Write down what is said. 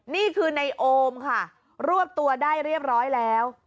นี่คือในโอมค่ะรวบตัวได้เรียบร้อยแล้ว